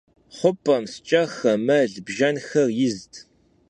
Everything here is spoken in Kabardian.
Xhup'em şşç'exer, mel - bjjenxer yizt.